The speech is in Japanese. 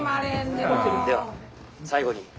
「では最後に」。